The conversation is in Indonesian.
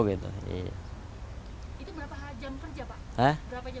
itu berapa jam kerja pak